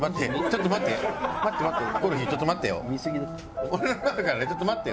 ちょっと待ってよ。